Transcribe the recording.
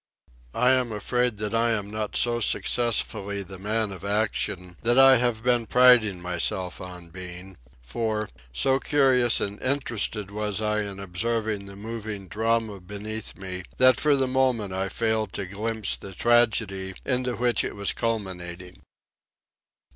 I am afraid that I am not so successfully the man of action that I have been priding myself on being; for, so curious and interested was I in observing the moving drama beneath me that for the moment I failed to glimpse the tragedy into which it was culminating.